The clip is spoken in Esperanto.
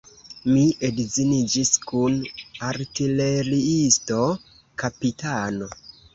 Mi edziniĝis kun artileriisto, kapitano.